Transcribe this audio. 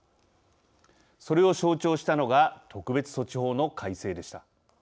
それを象徴したのが特別措置法の改正でした。